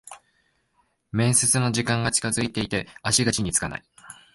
面接の時間が近づいて足が地につかない